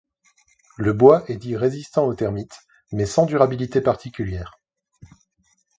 Le bois est dit résistant aux termites, mais sans durabilité particulière.